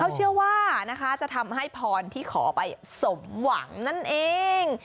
เขาเชื่อว่านะคะจะทำให้พรที่ขอไปสมหวังนั่นเอง